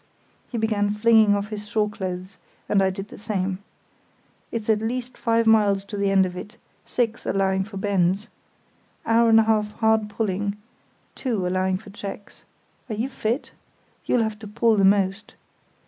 (He began flinging off his shore clothes, and I did the same.) "It's at least five miles to the end of it; six, allowing for bends; hour and a half hard pulling; two, allowing for checks. Are you fit? You'll have to pull the most.